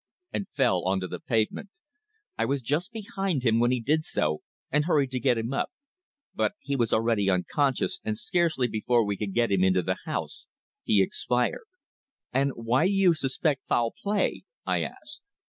and fell on to the pavement. I was just behind him when he did so, and hurried to get him up. But he was already unconscious, and scarcely before we could get him into the house he expired." "And why do you suspect foul play?" I asked.